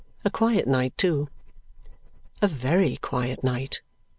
A quiet night, too. A very quiet night.